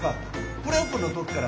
プレオープンのときから。